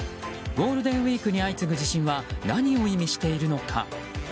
ゴールデンウィークに相次ぐ地震は何を意味しているのか。